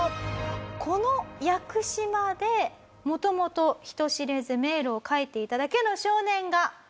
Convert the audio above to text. この屋久島で元々人知れず迷路を描いていただけの少年が。